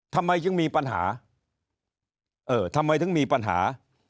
ทำไมจึงมีปัญหาเออทำไมถึงมีปัญหา